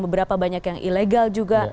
beberapa banyak yang ilegal juga